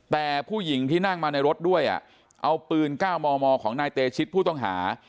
แต่ผู้หญิงที่นั่งมาในรถด้วยเอาปืน๙มมของนายเตชิตผู้ต้องหา